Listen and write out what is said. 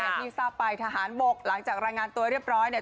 ที่ทราบไปทหารบกหลังจากรายงานตัวเรียบร้อยเนี่ย